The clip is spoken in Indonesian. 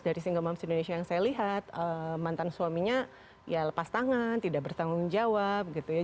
dari single moms indonesia yang saya lihat mantan suaminya ya lepas tangan tidak bertanggung jawab gitu ya